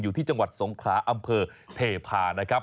อยู่ที่จังหวัดสงขลาอำเภอเทพานะครับ